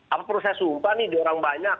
apa perlu saya sumpah nih diorang banyak